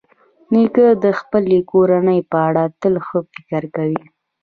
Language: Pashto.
نیکه د خپلې کورنۍ په اړه تل ښه فکر کوي.